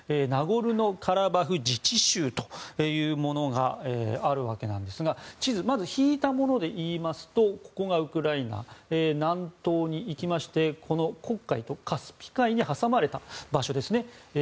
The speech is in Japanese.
ナゴルノカラバフ自治州というものがあるわけですが地図、引いたもので言いますとここがウクライナ南東に行きまして黒海とカスピ海に挟まれた場所ですね。